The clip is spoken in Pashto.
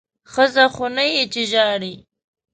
ښځه خو نه یې چې ژاړې!